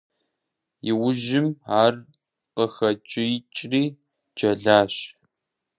Иужьым ар къыхэкӀиикӀри, джэлащ.